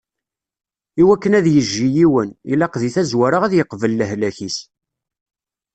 Iwakken ad yejji yiwen, ilaq di tazwara ad yeqbel lehlak-is.